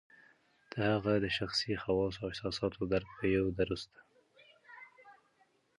د هغه د شخصي خواصو او احساساتو درک په یوه درسته